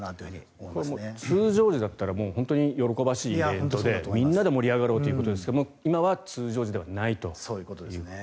これは通常時だったら本当に喜ばしいイベントでみんなで盛り上がろうということですが今は通常時ではないということですね。